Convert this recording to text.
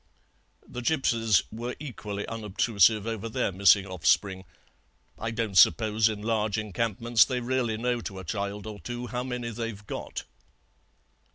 The gipsies were equally unobtrusive over their missing offspring; I don't suppose in large encampments they really know to a child or two how many they've got."